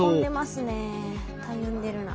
たゆんでるな。